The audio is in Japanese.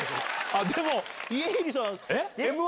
でも家入さん。